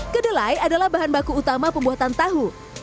kedelai adalah bahan baku utama pembuatan tahu